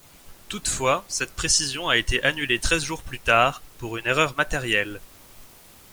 Toutefois, cette précision a été annulée treize jours plus tard, pour une erreur matérielle.